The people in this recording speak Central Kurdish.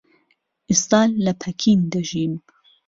ئێستا لە پەکین دەژیم.